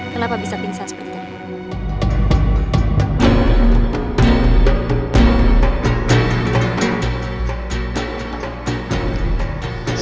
kenapa bisa binasa seperti itu